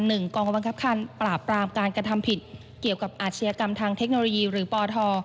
หนึ่งกองกำวังกับปราบรามการกระทัมผิดเกี่ยวกับอาชินกรรมทางเทคโนโลยีหรือปท